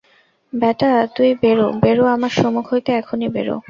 বেটা, তুই বেরো, বেরে আমার সুমুখ হইতে এখনি বেরো।